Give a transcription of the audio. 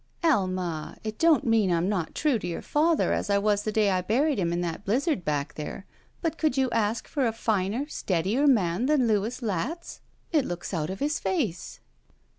"Alma, it don't mean I'm not true to your father as I was the day I buried him in that blizzard back 33 SHE WALKS IN BEAUTY there, but could you ask for a finer, steadier man than Lotus Latz? It looks out of his face."